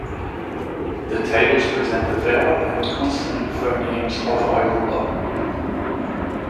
The tables present the vowel and the consonant phonemes of Irula.